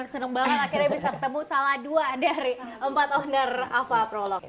senang banget akhirnya bisa ketemu salah dua dari empat owner ava prolog